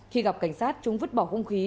khi gặp cảnh sát chúng vứt bỏ khung khí